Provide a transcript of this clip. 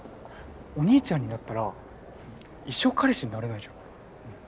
お兄ちゃんになったら一生彼氏になれないじゃん。